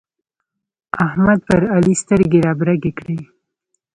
احمد پر علي سترګې رابرګې کړې.